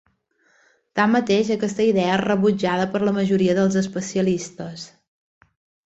Tanmateix, aquesta idea és rebutjada per la majoria dels especialistes.